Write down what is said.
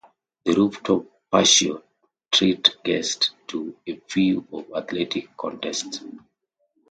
The rooftop patio treat guests to a view of athletic contests.